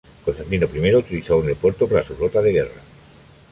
Constantino I utilizó aún el puerto para su flota de guerra.